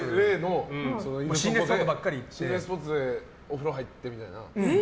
心霊スポットでお風呂入ってみたいな。